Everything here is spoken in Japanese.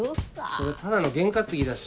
それただの験担ぎだし。